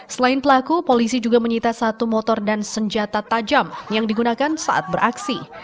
selain pelaku polisi juga menyita satu motor dan senjata tajam yang digunakan saat beraksi